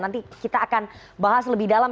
nanti kita akan bahas lebih dalam